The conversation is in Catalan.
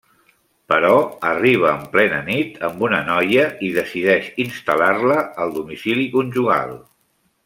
Però arriba en plena nit amb una noia i decideix instal·lar-la al domicili conjugal.